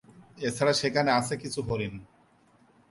এছাড়া সেখানে আছে কিছু হরিণ।